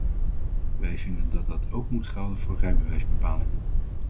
Wij vinden dat dat ook moet gelden voor rijbewijsbepalingen.